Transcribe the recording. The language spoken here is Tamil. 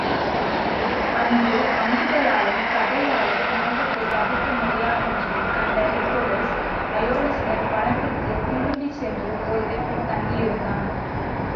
அன்று அம்புகளாலும் கதையாலும் நாகத்தை வதைக்க முடியாதென்று கண்ட ஹெர்க்குலிஸ், அயோலஸுடன் வனத்திற்குத் திரும்பிச் சென்று, ஓரிடத்தில் தங்கியிருந்தான்.